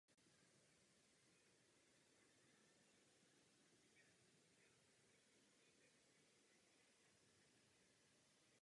Označení Lunar měla kvůli zvolené orbitě kolem Měsíce.